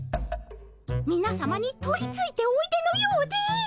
みなさまに取りついておいでのようで。